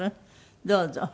どうぞ。